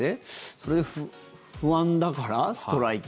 それで不安だからストライキ。